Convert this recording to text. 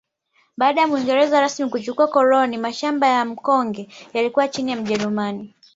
Baada ya Muingereza rasmi kuchukua koloni mashamba ya Mkonge yaliyokuwa chini ya mjerumani